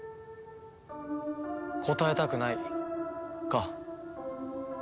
答えたくないか。